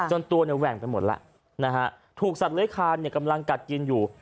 ตัวเนี่ยแหว่งไปหมดแล้วนะฮะถูกสัตว์เลื้อยคานกำลังกัดกินอยู่